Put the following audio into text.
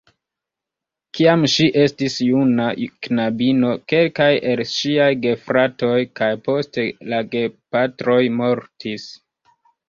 Kiam ŝi estis juna knabino, kelkaj el ŝiaj gefratoj kaj poste la gepatroj mortis.